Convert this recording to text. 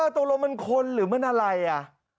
ตกลงมันคนหรือมันอะไรอ่ะ